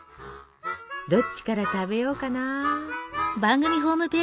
どっちから食べようかな。